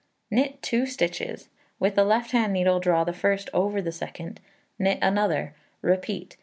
Knit 2 stitches; with the left hand needle draw the first over the second; knit another; repeat.